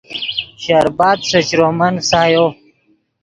شربَت ݰے چرومن فسایو